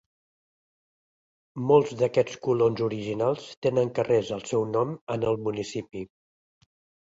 Molts d'aquests colons originals tenen carrers al seu nom en el municipi.